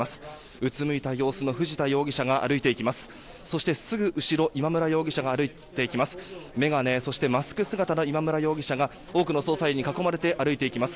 うつむいた様子の藤田容疑者が歩いていきます。